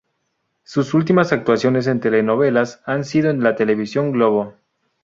Sus últimas actuaciones en telenovelas han sido en la televisión Globo.